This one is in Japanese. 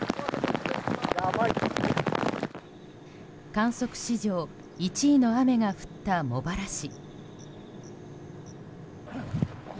観測史上１位の雨が降った茂原市。